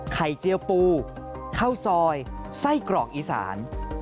เจียวปูข้าวซอยไส้กรอกอีสาน